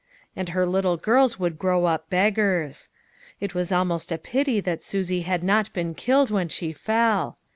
And her little girls would grow up beggars. It was almost a pity that Susie had not been killed when she fell.